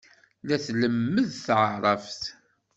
La tlemmed taɛṛabt.